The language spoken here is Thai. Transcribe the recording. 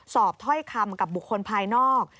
ถ้อยคำกับบุคคลภายนอก